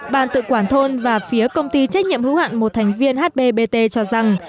bàn tự quản thôn và phía công ty trách nhiệm hữu hạn một thành viên hbbt cho rằng